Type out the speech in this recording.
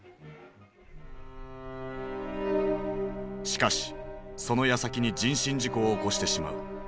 しかしそのやさきに人身事故を起こしてしまう。